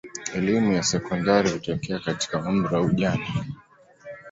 Elimu ya sekondari hutokea katika umri wa ujana.